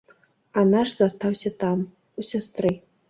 А наш застаўся там, у сястры.